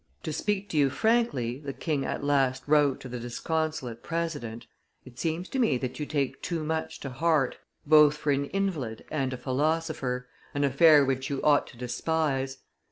"To speak to you frankly," the king at last wrote to the disconsolate president, "it seems to me that you take too much to heart, both for an invalid and a philosopher, an affair which you ought to despise.